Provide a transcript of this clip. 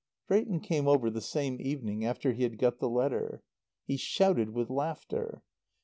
Drayton came over the same evening after he had got the letter. He shouted with laughter.